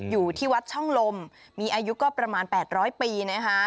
อยู่ที่วัดช่องลมมีอายุก็ประมาณ๘๐๐ปีนะคะ